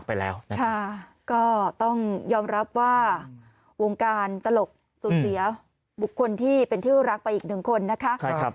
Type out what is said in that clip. ก็ต้องยอมรับว่าวงการตลกสูญเสียบุคคลที่เป็นที่รักไปอีกหนึ่งคนนะคะ